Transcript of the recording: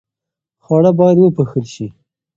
خواړه باید وپوښل شي.